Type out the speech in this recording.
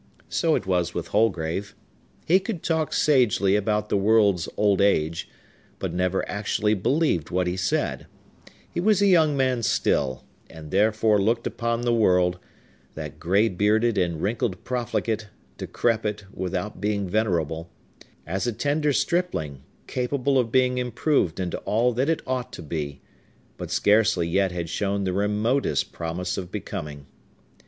So it was with Holgrave. He could talk sagely about the world's old age, but never actually believed what he said; he was a young man still, and therefore looked upon the world—that gray bearded and wrinkled profligate, decrepit, without being venerable—as a tender stripling, capable of being improved into all that it ought to be, but scarcely yet had shown the remotest promise of becoming.